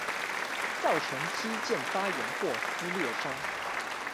造成肌腱發炎或撕裂傷